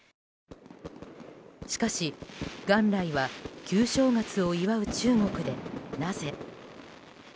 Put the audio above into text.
しかし、元来は旧正月を祝う中国でなぜ。